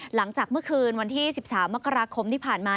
หลังจากเมื่อคืนวันที่๑๓มกราคมที่ผ่านมา